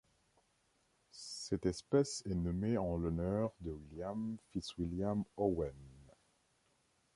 Cette espèce est nommée en l'honneur de William Fitzwilliam Owen.